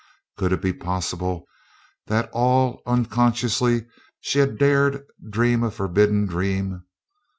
Could it be possible that all unconsciously she had dared dream a forbidden dream?